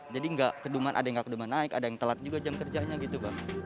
jadi ada yang tidak keduman naik ada yang telat juga jam kerjanya gitu